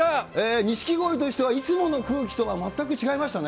錦鯉としては、いつもの空気とは全く違いましたね。